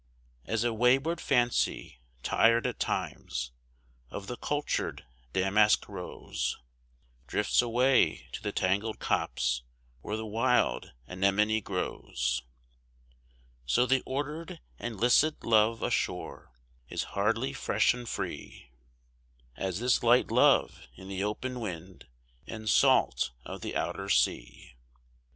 As a wayward Fancy, tired at times, of the cultured Damask Rose, Drifts away to the tangled copse, where the wild Anemone grows; So the ordered and licit love ashore, is hardly fresh and free As this light love in the open wind and salt of the outer sea.